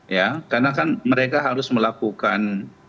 ya karena kan mereka harus melakukan